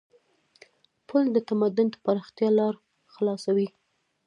پل د تمدن د پراختیا لار خلاصوي.